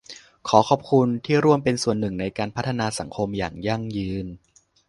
ขอขอบคุณที่ร่วมเป็นส่วนหนึ่งในการพัฒนาสังคมอย่างยั่งยืน